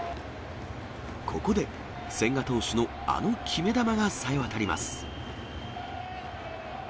ここで千賀投手のあの決め球がさえわたります。